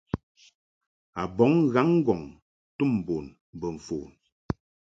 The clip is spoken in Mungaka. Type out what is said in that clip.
A bɔŋ ghaŋ-ŋgɔŋ tum bun mbo mfon.